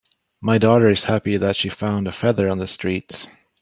My daughter is happy that she found a feather on the street.